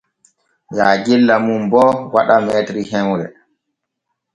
Yaajella mum bo waɗa m hemre.